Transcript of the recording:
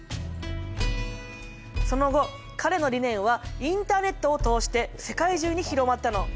その後彼の理念はインターネットを通して世界中に広まったの。